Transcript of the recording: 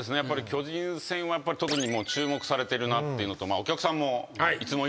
巨人戦はやっぱり特に注目されてるなっていうのとお客さんもいつも以上に入っているし。